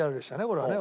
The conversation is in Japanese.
これはね。